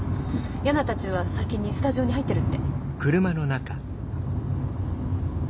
ヤナたちは先にスタジオに入ってるって。